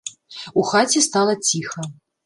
У хаце стала ціха.